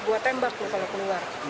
buat tembak tuh kalau keluar